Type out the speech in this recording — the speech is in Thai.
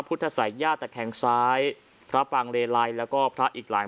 พุธถักยาวแต่แข็งซ้ายพระปังเมลัยแล้วก็พระอีกหลาย